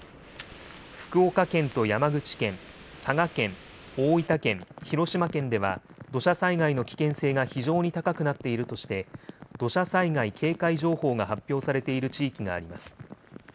福岡県と山口県、佐賀県、大分県、広島県では、土砂災害の危険性が非常に高くなっているとして、土砂災害警戒情報が発表されている地域があります。